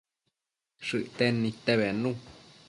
Shëcten nidte bednu